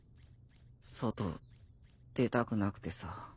外出たくなくてさ。